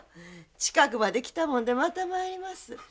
近くまで来たもんでまた参ります。